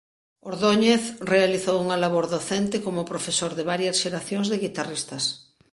Ordóñez realizou unha labor docente como profesor de varias xeracións de guitarristas.